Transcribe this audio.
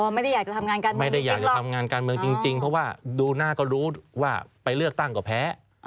ไม่ได้อยากจะทำงานการเมืองไม่ได้อยากจะทำงานการเมืองจริงเพราะว่าดูหน้าก็รู้ว่าไปเลือกตั้งก็แพ้